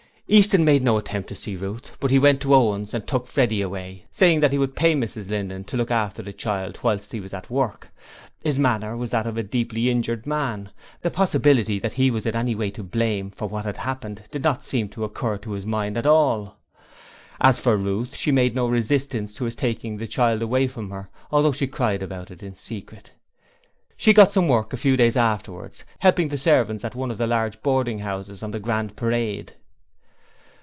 Easton made no attempt to see Ruth, but he went to Owen's and took Freddie away, saying he would pay Mrs Linden to look after the child whilst he was at work. His manner was that of a deeply injured man the possibility that he was in any way to blame for what had happened did not seem to occur to his mind at all. As for Ruth she made no resistance to his taking the child away from her, although she cried about it in secret. She got some work a few days afterwards helping the servants at one of the large boarding houses on the Grand Parade.